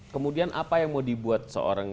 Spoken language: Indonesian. kemudian apa yang mau dibuat seorang